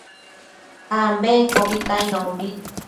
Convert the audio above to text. ambenquiobi cainombi